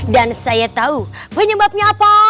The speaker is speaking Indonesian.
dan saya tau penyebabnya apa